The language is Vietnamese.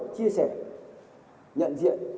chia sẻ nhận diện